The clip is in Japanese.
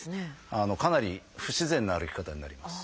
かなり不自然な歩き方になります。